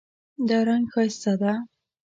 دا رنګ ښایسته ده